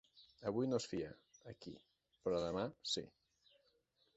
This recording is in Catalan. Avui no es fia, aquí; però demà, sí.